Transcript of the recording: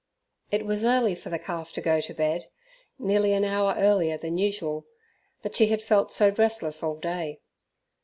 It was early for the calf to go "to bed" nearly an hour earlier than usual; but she had felt so restless all day.